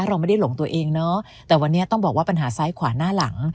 เราไม่ได้หลงตัวเองเนาะแต่วันนี้ต้องบอกว่าปัญหาซ้ายขวาหน้าหลัง